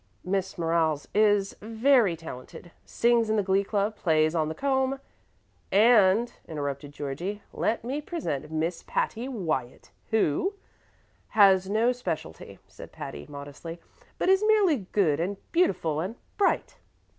Miss Merriles is very talented sings in the glee club, plays on the comb " "And," interrupted Georgie, "let me present Miss Patty Wyatt, who " "Has no specialty," said Patty, modestly, "but is merely good and beautiful and bright."